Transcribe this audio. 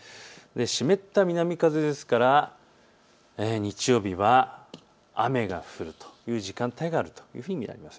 湿った南風ですから日曜日は雨が降るという時間帯があると見られます。